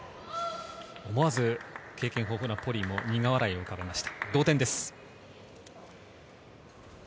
思わず経験豊富なポリイも苦笑いを浮かべました。